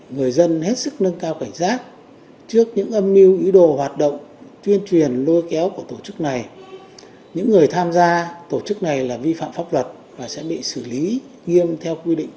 với bản án chín năm tù giam ihon eulun bỏ lại người vợ truyền miên đau yếu về bệnh thận cùng hai con nhỏ dại nhau nhóc